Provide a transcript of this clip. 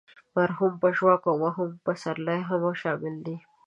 مرحوم پژواک او مرحوم پسرلی هم شامل دي.